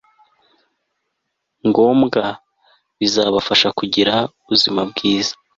ngombwa bizabafasha kugira ubuzima bwiza